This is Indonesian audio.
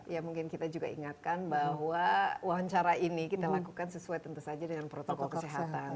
ya mungkin kita juga ingatkan bahwa wawancara ini kita lakukan sesuai tentu saja dengan protokol kesehatan